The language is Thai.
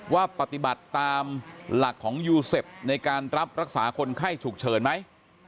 ว่าปฏิบัติตามหลักของยูเซฟในการรับรักษาคนไข้ฉุกเฉินไหม